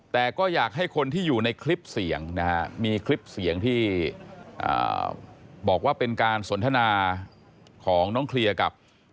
แต่ก็อยากให้คนที่อยู่ในคลิปเสียงนะครับ